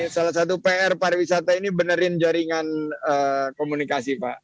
salah satu pr pariwisata ini benerin jaringan komunikasi pak